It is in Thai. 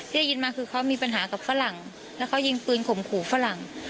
ได้ยินมาคือเขามีปัญหากับฝรั่งแล้วเขายิงปืนข่มขู่ฝรั่ง